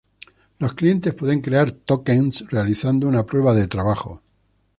Los clientes pueden crear tokens realizando una prueba de trabajo.